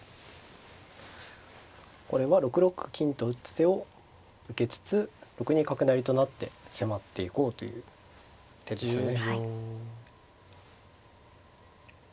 これは６六金と打つ手を受けつつ６二角成と成って迫っていこうという手ですね。